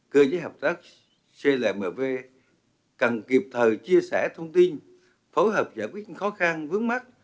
cơ giới hợp tác clmv cần kịp thời chia sẻ thông tin phối hợp giải quyết những khó khăn vướng mắt